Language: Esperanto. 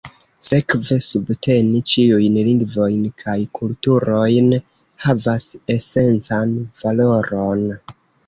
Sekve, subteni ĉiujn lingvojn kaj kulturojn havas esencan valoron.